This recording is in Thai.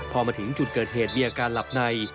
พอมาถึงจุดเกิดเหตุมีอาการหลับใน